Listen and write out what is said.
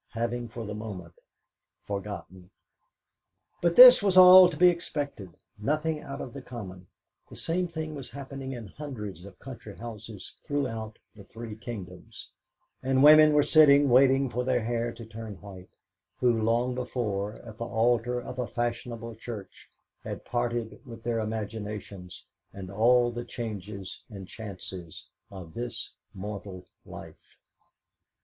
having for the moment forgotten. But this was all to be expected, nothing out of the common; the same thing was happening in hundreds of country houses throughout the "three kingdoms," and women were sitting waiting for their hair to turn white, who, long before, at the altar of a fashionable church, had parted with their imaginations and all the changes and chances of this mortal life.